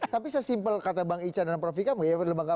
tapi sesimpel kata bang icah dan prof vika ya